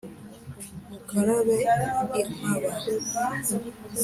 Mukarabe inkaba